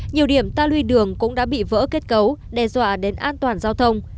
nhiều điểm ta luy đường cũng đã bị vỡ kết cấu đe dọa đến an toàn giao thông